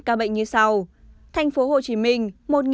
ca bệnh như sau